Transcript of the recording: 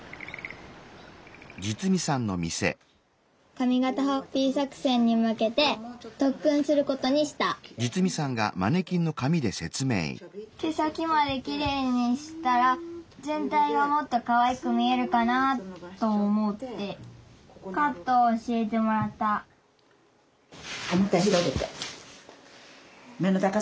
髪型ハッピー作戦にむけてとっくんすることにした毛先まできれいにしたらぜんたいがもっとかわいく見えるかなと思ってカットをおしえてもらったおまたひろげて。